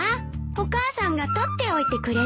お母さんが取っておいてくれるもん。